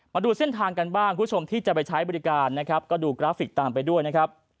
มาดูเส้นทางกันบ้างคุณผู้ชมที่จะไปใช้บริการนะครับก็ดูกราฟิกตามไปด้วยนะครับ